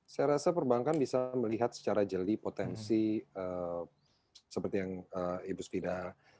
saya rasa perbankan bisa melihat secara jeli potensi seperti yang ibu svida